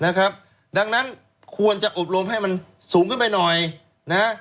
นะครับดังนั้นควรจะอบรมให้มันสูงขึ้นไปหน่อยนะฮะ